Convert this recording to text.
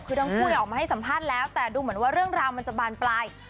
คือทั้งคู่ออกมาให้สัมภาษณ์แล้วแต่ดูเหมือนว่าเรื่องราวมันจะบานปลาย